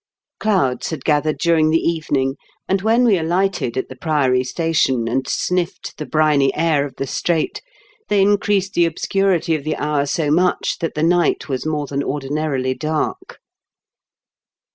Clouds had gathered during the evening, and when we alighted at the Priory station, and sniffed the briny air of the Strait, they increased the obscurity of the hour so much that the night was more than ordinarily dark.